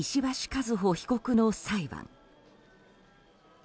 和歩被告の裁判。